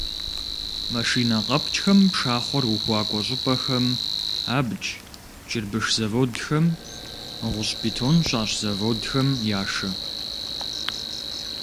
Машинэ къэпкӀхэм пшахъуэр ухуакӀуэ щӀыпӀэхэм, абдж, чырбыш заводхэм, гъущӀ-бетон щащӀ заводхэм яшэ.